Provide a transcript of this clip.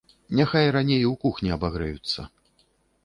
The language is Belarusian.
Няхай раней у кухні абагрэюцца.